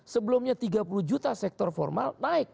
sebelumnya tiga puluh juta sektor formal naik